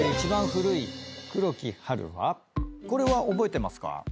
これは覚えてますか？